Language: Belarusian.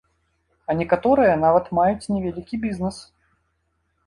А некаторыя нават маюць невялікі бізнэс.